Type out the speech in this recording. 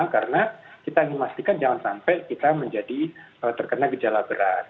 karena kita ingin memastikan jangan sampai kita menjadi terkena gejala berat